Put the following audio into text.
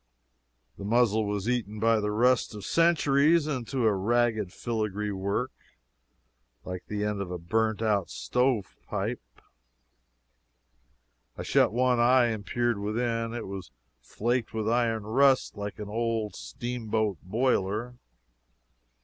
The muzzle was eaten by the rust of centuries into a ragged filigree work, like the end of a burnt out stove pipe. I shut one eye and peered within it was flaked with iron rust like an old steamboat boiler.